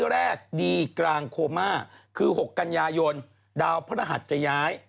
แรกดีกลางโคม่าคือ๖กันยายนดาวพระรหัสจะย้าย